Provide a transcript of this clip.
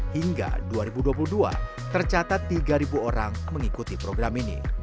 hingga dua ribu dua puluh dua tercatat tiga orang mengikuti program ini